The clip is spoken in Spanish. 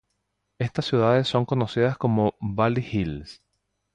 Estas ciudades son conocidas como Valley Hills.